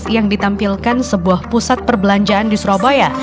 yang ditampilkan sebuah pusat perbelanjaan di surabaya